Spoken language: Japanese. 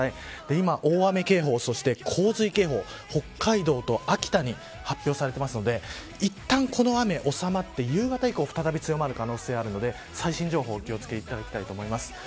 今、大雨警報、洪水警報北海道と秋田に発表されていますのでいったん、この雨収まって夕方以降再び強まる可能性があるので最新情報、お気を付けいただきたいと思います。